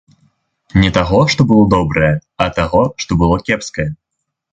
Не таго, што было добрае, а таго, што было кепскае.